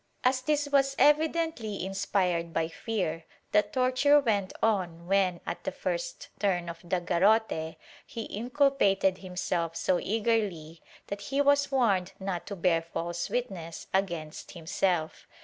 As this was evidently inspired by fear, the torture went on when, at the first turn of the garrote, he inculpated himself so eagerly that he was warned not to bear false witness against himself.